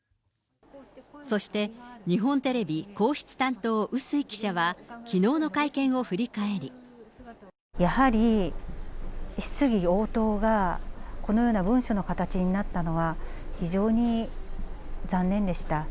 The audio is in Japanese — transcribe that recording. そして日本テレビ皇室担当、笛吹記者は、きのうの会見を振りやはり質疑応答がこのような文書の形になったのは、非常に残念でした。